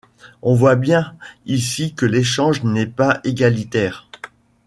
On voit bien, ici que l'échange n'est pas égalitaire.